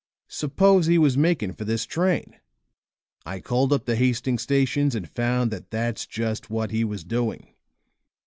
Suppose he was making for this train. I called up the Hastings station and found that that's just what he was doing.